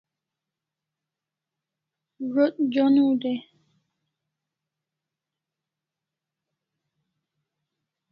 Zo't joniu dai